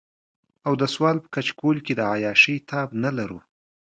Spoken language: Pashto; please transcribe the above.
او د سوال په کچکول کې د عياشۍ تاب نه لرو.